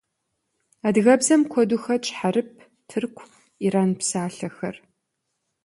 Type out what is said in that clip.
Адыгэбзэм куэду хэтщ хьэрып, тырку, иран псалъэхэр.